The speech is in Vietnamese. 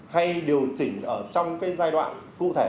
hay điều chỉnh trong cái giai đoạn cụ thể